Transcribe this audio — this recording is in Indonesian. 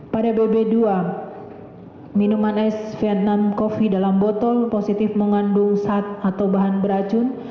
pada bb dua minuman es vietnam coffee dalam botol positif mengandung zat atau bahan beracun